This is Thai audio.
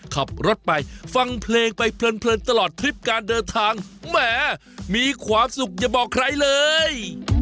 ขับรถไปฟังเพลงไปเพลินตลอดทริปการเดินทางแหมมีความสุขอย่าบอกใครเลย